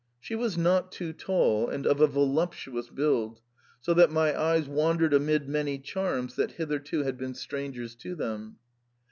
She was not too tall, and of a voluptuous build, so that my eyes wandered amid many charms that hitherto had been strangers to them.